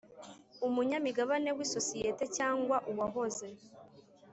Umunyamigabane w isosiyete cyangwa uwahoze